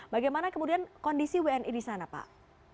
bagaimana kemudian kondisi wni di sana pak